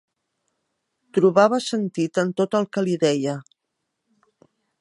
Trobava sentit en tot el que li deia.